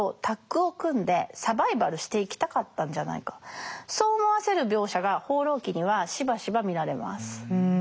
男とではなくそう思わせる描写が「放浪記」にはしばしば見られます。